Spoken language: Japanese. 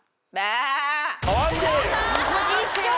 一緒！